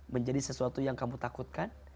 menjadi sesuatu yang kamu takutkan